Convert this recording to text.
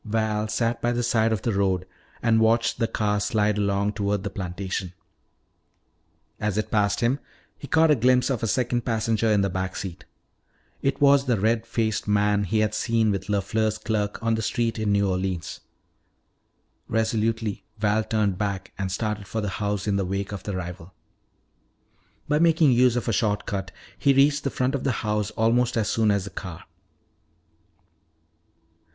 Val sat by the side of the road and watched the car slide along toward the plantation. As it passed him he caught a glimpse of a second passenger in the back seat. It was the red faced man he had seen with LeFleur's clerk on the street in New Orleans. Resolutely Val turned back and started for the house in the wake of the rival. By making use of a short cut, he reached the front of the house almost as soon as the car.